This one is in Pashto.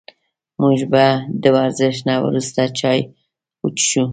موږ به د ورزش نه وروسته چای وڅښو